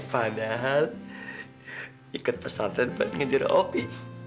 padahal ikat pesantren buat ngejera obe